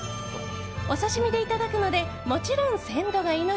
お刺し身でいただくのでもちろん鮮度が命。